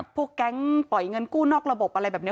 พวกแก๊งปล่อยเงินกู้นอกระบบอะไรแบบนี้